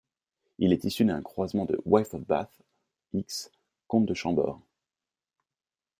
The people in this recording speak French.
Il est issu d'un croisement de 'Wife of Bath' x 'Comte de Chambord'.